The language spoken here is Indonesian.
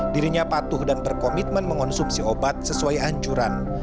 dirinya patuh dan berkomitmen mengonsumsi obat sesuai anjuran